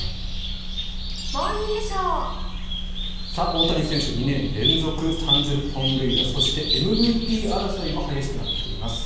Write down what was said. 大谷選手、２年連続３０本塁打そして、ＭＶＰ争いも激しくなってきています。